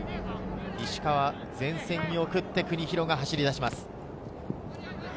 石川を前線に送って国広が走り出します。